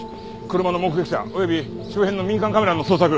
車の目撃者および周辺の民間カメラの捜索。